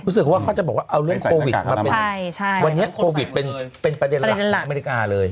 รู้สึกว่าเขาจะบอกว่าเอาเรื่องโควิดมาเป็นวันนี้โควิดเป็นประเด็นหลักของอเมริกาเลย